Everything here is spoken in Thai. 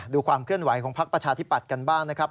ความเคลื่อนไหวของพักประชาธิปัตย์กันบ้างนะครับ